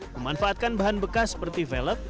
memanfaatkan bahan bekas seperti velop